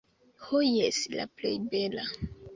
Ho jes, la plej bela.